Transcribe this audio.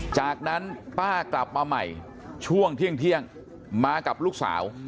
จากนั้นป้ากลับมาใหม่ช่วงเที่ยงมากับลูกสาว